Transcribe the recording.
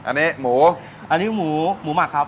อันนี้หมูอันนี้หมูหมูหมักครับ